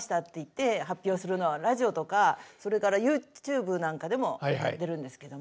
ラジオとかそれからＹｏｕＴｕｂｅなんかでもやってるんですけども。